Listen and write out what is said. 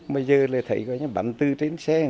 bây giờ là thấy bắn tư trên xe dọc đường